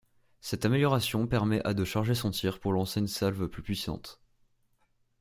Cette amélioration permet à de charger son tir pour lancer une salve plus puissante.